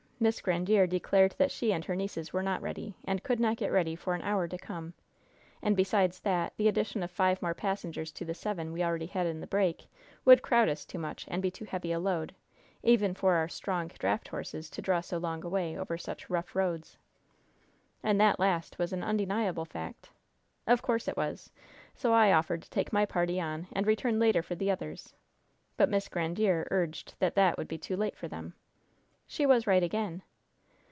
Miss Grandiere declared that she and her nieces were not ready, and could not get ready for an hour to come; and, besides that, the addition of five more passengers to the seven we had already in the break would crowd us too much and be too heavy a load, even for our strong draft horses to draw so long a way over such rough roads." "And that last was an undeniable fact." "Of course it was! So I offered to take my party on and return later for the others. But Miss Grandiere urged that that would be too late for them." "She was right again."